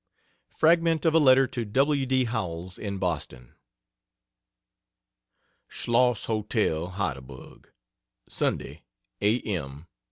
Fragment of a letter to W. D. Howells, in Boston: SCHLOSS HOTEL HEIDELBERG, Sunday, a. m.